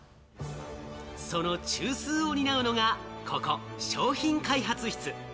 その中枢を担うのがここ商品開発室。